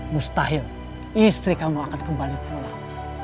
mustahil istri kamu akan kembali pulang